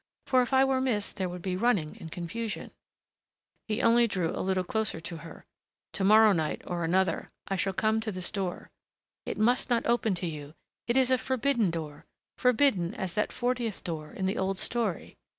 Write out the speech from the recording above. For if I were missed there would be running and confusion " He only drew a little closer to her. "To morrow night or another I shall come to this door " "It must not open to you.... It is a forbidden door forbidden as that fortieth door in the old story....